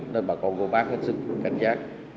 nên bà con cô bác hết sức cảnh giác